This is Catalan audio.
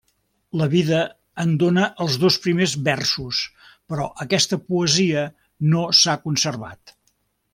La vida en dóna els dos primers versos, però aquesta poesia no s'ha conservat.